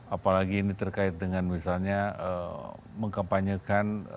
apalagi ini terkait dengan misalnya mengkampanyekan